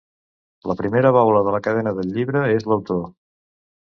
La primera baula de la cadena del llibre és l'autor.